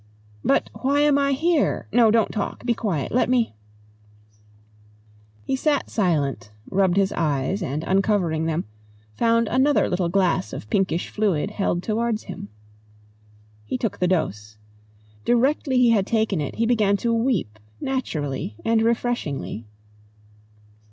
"But why am I here? No! Don't talk. Be quiet. Let me " He sat silent, rubbed his eyes, and, uncovering them, found another little glass of pinkish fluid held towards him. He took the dose. Directly he had taken it he began to weep naturally and refreshingly.